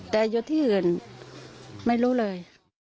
แต่อยู่ที่อื่นไม่รู้เลย